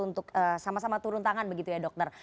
untuk sama sama turun tangan begitu ya dokter